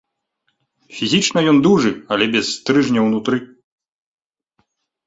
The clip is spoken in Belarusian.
Фізічна ён дужы, але без стрыжня ўнутры.